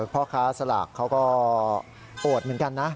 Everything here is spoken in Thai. พ่อค้าสลากเขาก็โอดเหมือนกันนะ